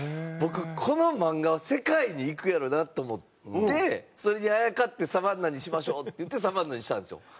僕この漫画は世界にいくやろなと思ってそれにあやかってサバンナにしましょうっていってサバンナにしたんですよ。